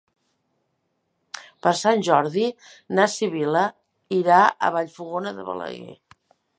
Per Sant Jordi na Sibil·la irà a Vallfogona de Balaguer.